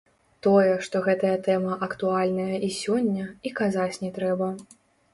Тое, што гэтая тэма актуальная і сёння, і казаць не трэба.